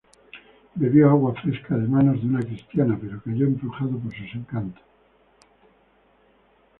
Bebió agua fresca de manos de una Cristiana, pero cayó embrujado por sus encantos.